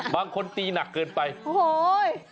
บางทีตีหนักเกินไปโอ้โห